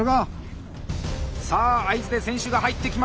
さあ合図で選手が入ってきました。